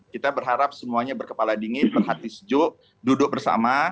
kita berharap semuanya berkepala dingin berhati sejuk duduk bersama